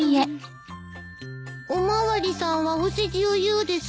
お巡りさんはお世辞を言うですか？